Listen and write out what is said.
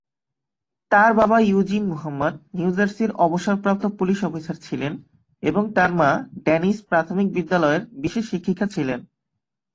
তার বাবা Eugene Muhammad new জার্সির অবসরপ্রাপ্ত পুলিশ অফিসার ছিলেন এবং তার মা ডেনিস প্রাথমিক বিদ্যালয়ের বিশেষ শিক্ষিকা ছিলেন।